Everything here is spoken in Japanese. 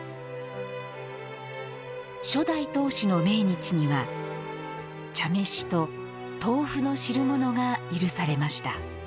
初代当主の命日には茶飯と豆腐の汁ものが許されました。